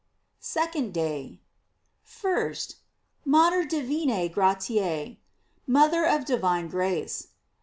SECOND DAY. 1st, "Mater divinaegratiae:" Mother of divine grace.